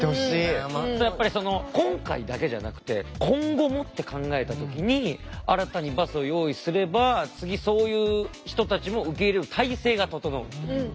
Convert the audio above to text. やっぱり今回だけじゃなくて今後もって考えた時に新たにバスを用意すれば次そういう人たちも受け入れる体制が整う。